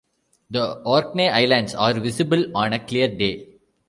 The Orkney Islands are visible on a clear day.